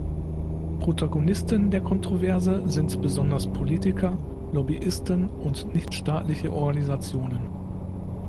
Protagonisten der Kontroverse sind besonders Politiker, Lobbyisten und nichtstaatliche Organisationen.